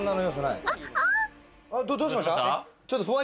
どうしました？